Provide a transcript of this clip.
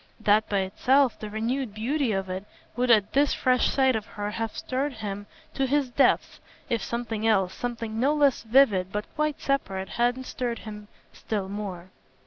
That by itself, the renewed beauty of it, would at this fresh sight of her have stirred him to his depths if something else, something no less vivid but quite separate, hadn't stirred him still more.